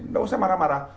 nggak usah marah marah